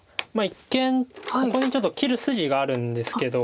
一見ここにちょっと切る筋があるんですけど。